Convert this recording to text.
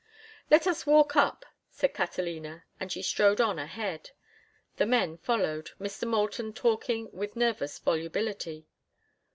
"Let us walk up," said Catalina, and she strode on ahead. The men followed, Mr. Moulton talking with nervous volubility.